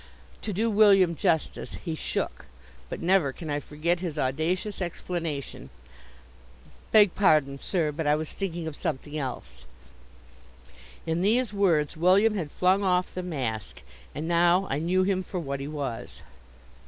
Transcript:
To do William justice, he shook, but never can I forget his audacious explanation, "Beg pardon, sir, but I was thinking of something else." In these words William had flung off the mask, and now I knew him for what he was.